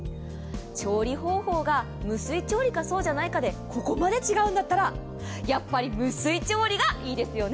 調理方法が無水調理かそうじゃないかでここまで違うんだったらやっぱり無水調理がいいですよね。